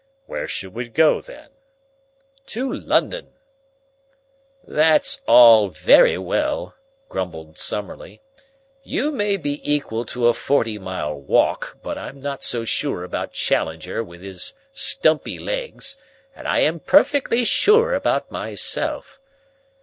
"Where should we go, then?" "To London!" "That's all very well," grumbled Summerlee. "You may be equal to a forty mile walk, but I'm not so sure about Challenger, with his stumpy legs, and I am perfectly sure about myself."